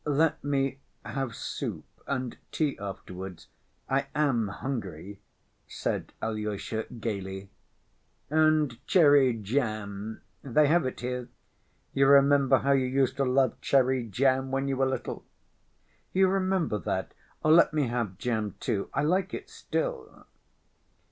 "Let me have soup, and tea afterwards, I am hungry," said Alyosha gayly. "And cherry jam? They have it here. You remember how you used to love cherry jam when you were little?" "You remember that? Let me have jam too, I like it still."